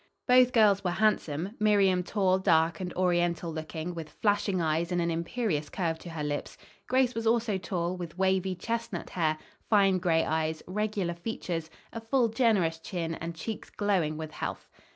Both girls were handsome Miriam tall, dark and oriental looking, with flashing eyes and an imperious curve to her lips; Grace was also tall, with wavy, chestnut hair, fine gray eyes, regular features, a full, generous chin and cheeks glowing with health.